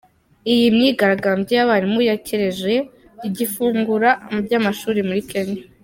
Iyi myigaragambyo y’abarimu yakereje ifungura ry’amashuri muri Kenya.